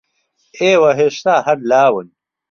ئێوە ھێشتا ھەر لاون.